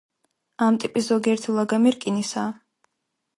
ამ ტიპის ზოგიერთი ლაგამი რკინისაა.